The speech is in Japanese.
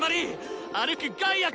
歩く害悪！